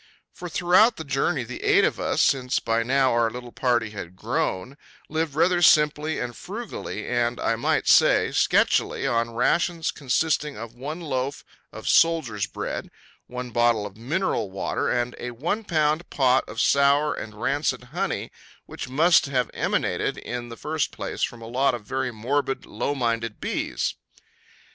For throughout the journey the eight of us since by now our little party had grown lived rather simply and frugally and, I might say, sketchily on rations consisting of one loaf of soldiers' bread, one bottle of mineral water and a one pound pot of sour and rancid honey which must have emanated in the first place from a lot of very morbid, low minded bees.